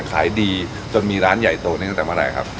ขายดีจนมีร้านใหญ่โตนี้ตั้งแต่เมื่อไหร่ครับ